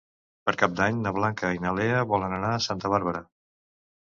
Per Cap d'Any na Blanca i na Lea volen anar a Santa Bàrbara.